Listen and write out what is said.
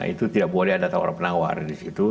itu tidak boleh ada tawar penawar di situ